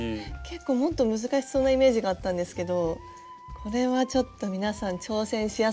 結構もっと難しそうなイメージがあったんですけどこれはちょっと皆さん挑戦しやすいかもしれない。